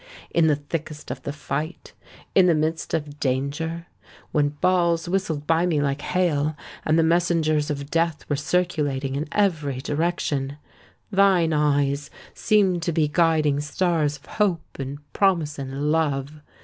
In the thickest of the fight—in the midst of danger,—when balls whistled by me like hail, and the messengers of death were circulating in every direction,—thine eyes seemed to be guiding stars of hope, and promise, and love.